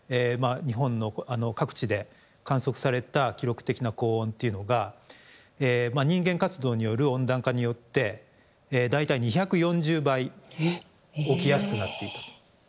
日本の各地で観測された記録的な高温というのが人間活動による温暖化によって大体２４０倍起きやすくなっていたと。